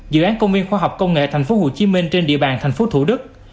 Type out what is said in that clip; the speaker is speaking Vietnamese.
dự án công viên khoa học công nghệ tp hcm trên địa bàn tp thủ đức